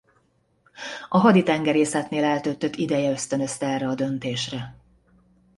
A haditengerészetnél eltöltött ideje ösztönözte erre a döntésre.